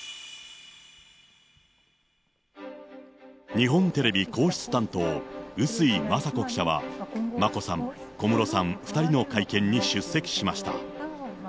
日本テレビ皇室担当、笛吹雅子記者は、眞子さん、小室さん、２人の会見に出席しました。